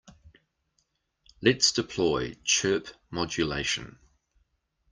Let's deploy chirp modulation.